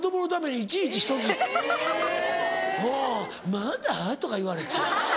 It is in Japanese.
「まだ？」とか言われて。